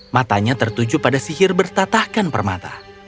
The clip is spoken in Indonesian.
matanya tertuju pada sihir bertatahkan permata